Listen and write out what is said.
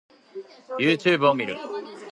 Youtube を見る